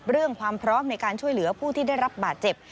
เรื่องความพร้อมในการช่วยเหลือผู้ที่ได้รับบาดเจ็บ